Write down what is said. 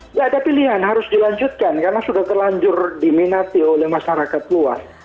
nggak ada pilihan harus dilanjutkan karena sudah terlanjur diminati oleh masyarakat luas